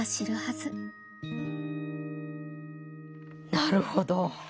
なるほど！